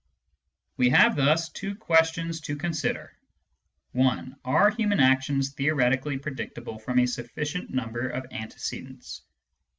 We have thus two questions to consider : (i) Are human actions theoretically predictable from a sufficient number of antecedents